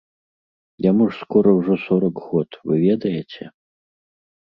Яму ж скора ўжо сорак год, вы ведаеце?